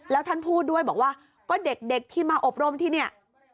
แล้วท่านพูดด้วยบอกว่าก็เด็กที่มาอบรมที่เนี่ย